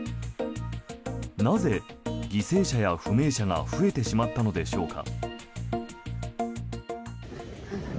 なぜ、犠牲者や不明者が増えてしまったのでしょうか。